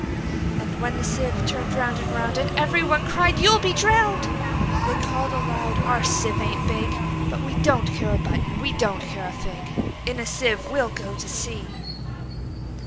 And when the sieve turn'd round and round, And every one cried, "You 'll be drown'd!"They call'd aloud, "Our sieve ain't big:But we don't care a button; we don't care a fig:In a sieve we 'll go to sea!"